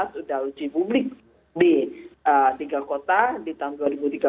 sudah uji publik di tiga kota di tahun dua ribu tiga belas